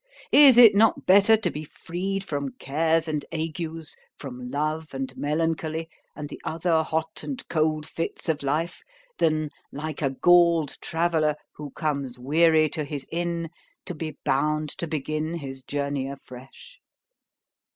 Is it not better to be freed from cares and agues, from love and melancholy, and the other hot and cold fits of life, than, like a galled traveller, who comes weary to his inn, to be bound to begin his journey afresh?